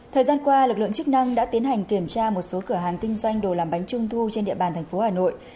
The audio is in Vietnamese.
thời gian qua lực lượng chức năng đã tiến hành kiểm tra một số cửa hàng kinh doanh đồ làm bánh trung thu trên địa bàn thành phố hà nội